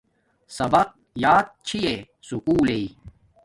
سبق یات چھی یݵ سکُول لݵ